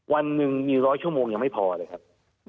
วันหนึ่งมีร้อยชั่วโมงยังไม่พอเลยครับ